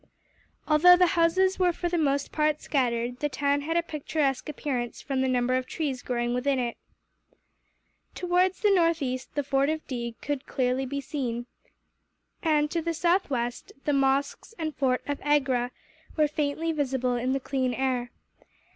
Although the houses were for the most part scattered, the town had a picturesque appearance, from the number of trees growing within it. Towards the northeast the fort of Deeg could be clearly seen and, to the southwest, the mosques and fort of Agra were faintly visible in the clear air.